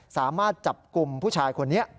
สามารถจับกลุ่มผู้ชายคนนี้